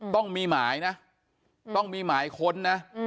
ต้องมีหมายนะต้องมีหมายค้นนะ